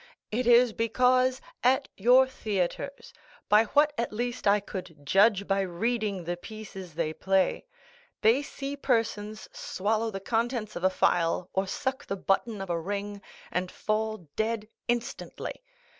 It is because, at your theatres, by what at least I could judge by reading the pieces they play, they see persons swallow the contents of a phial, or suck the button of a ring, and fall dead instantly.